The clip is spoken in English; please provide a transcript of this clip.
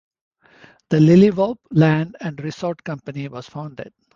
The Lilliwaup Land and Resort Company was founded.